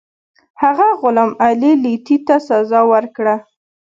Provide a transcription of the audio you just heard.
هغه غلام علي لیتي ته سزا ورکړه.